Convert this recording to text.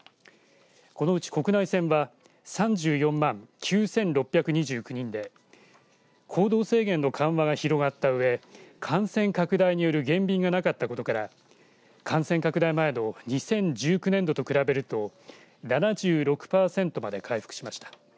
このうち国内線は３４万９６２９人で行動制限の緩和が広がったうえ感染拡大による減便がなかったことから感染拡大前の２０１９年度と比べると７６パーセントまで回復しました。